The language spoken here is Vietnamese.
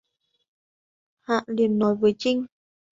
Hạ liền nói với Trinh